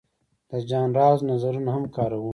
د جان رالز نظرونه هم کاروو.